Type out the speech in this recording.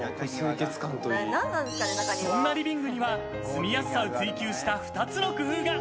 そんなリビングには住みやすさを追求した２つの工夫が。